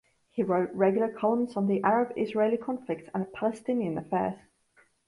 He wrote regular columns on the Arab-Israeli conflict and Palestinian affairs.